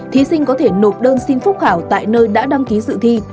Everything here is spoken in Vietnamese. thí sinh có thể nộp đơn xin phúc khảo tại nơi đã đăng ký dự thi